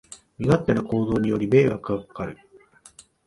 身勝手な行動により迷惑がかかる